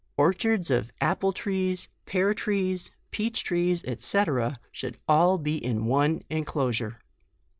Orchards of Apple trees, pear trees, peach trees, &c. should all be in one enclosure.